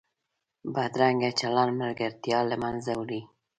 بدرنګه چلند ملګرتیا له منځه وړي